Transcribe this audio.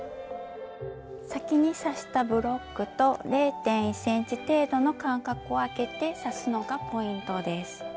先に刺したブロックと０．１ｃｍ程度の間隔を空けて刺すのがポイントです。